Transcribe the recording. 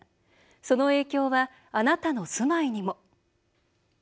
その影響はあなたの住まいにも。